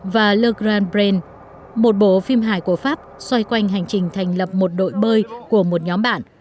và le grand brain một bộ phim hài của pháp xoay quanh hành trình thành lập một đội bơi của một nhóm bạn